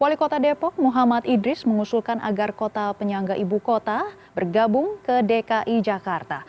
wali kota depok muhammad idris mengusulkan agar kota penyangga ibu kota bergabung ke dki jakarta